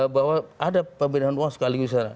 bahwa ada pembinaan uang sekaligus di sana